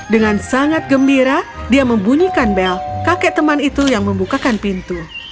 dengan sangat gembira dia membunyikan bel kakek teman itu yang membukakan pintu